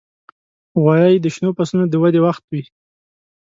غویی د شنو فصلونو د ودې وخت وي.